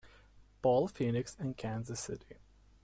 Paul, Phoenix, and Kansas City.